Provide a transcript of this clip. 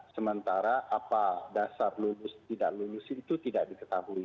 sementara apa dasar lulus tidak lulus itu tidak diketahui